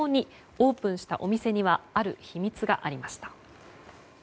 オープンしたお店にはある秘密がありました。